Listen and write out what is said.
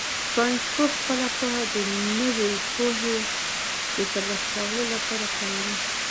ساینسپوه خپله پوهه د نوې پوهې د ترلاسه کولو لپاره کاروي.